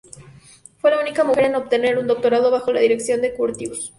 Fue la única mujer en obtener un doctorado bajo la dirección de Curtius.